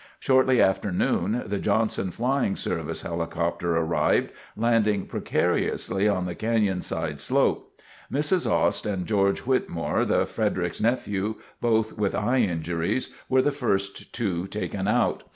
Shortly after noon, the Johnson Flying Service helicopter arrived, landing precariously on the canyon side slope. Mrs. Ost and George Whitmore, the Fredericks nephew, both with eye injuries, were the first two taken out.